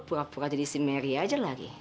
gue pura pura jadi si merry aja lagi